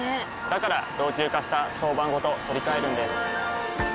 から老朽化した床版ごと取り替えるんです。